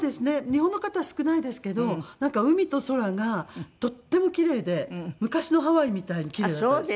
日本の方は少ないですけどなんか海と空がとっても奇麗で昔のハワイみたいに奇麗だったです。